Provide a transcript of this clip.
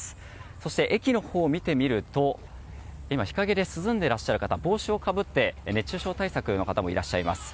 そして、駅のほうを見てみると日陰で涼んでいらっしゃる方帽子をかぶって熱中症対策をしている方もいらっしゃいます。